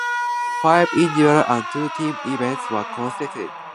Five individual and two team events were contested.